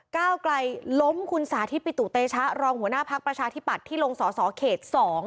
ก้าวไกลล้มคุณสาธิตปิตุเตชะรองหัวหน้าพักประชาธิปัตย์ที่ลงสอสอเขต๒